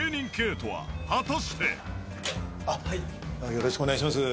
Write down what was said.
よろしくお願いします。